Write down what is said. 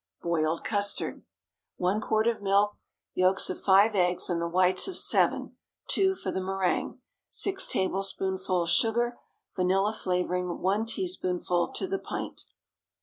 BOILED CUSTARD. ✠ 1 quart of milk. Yolks of five eggs and the whites of seven—(two for the méringue). 6 tablespoonfuls sugar. Vanilla flavoring—1 teaspoonful to the pint.